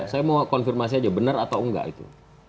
saya mau konfirmasi aja benar atau enggak itu